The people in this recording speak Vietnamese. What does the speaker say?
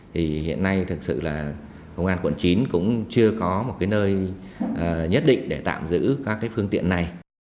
thì hiện nay thực sự là công an quận chín cũng chưa có một nơi nhất định để tạm giữ các cái phương tiện này